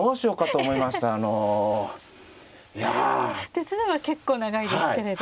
手数は結構長いですけれど。